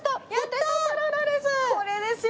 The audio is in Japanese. これですよ！